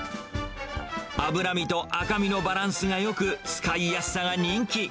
脂身と赤身のバランスがよく、使いやすさが人気。